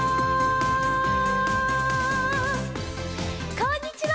こんにちは！